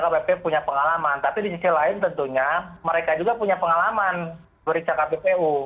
kppu punya pengalaman tapi di sisi lain tentunya mereka juga punya pengalaman beriksa kppu